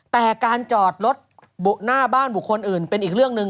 แต่การจอดรถหน้าบ้านบุคคลอื่นเป็นอีกเรื่องหนึ่ง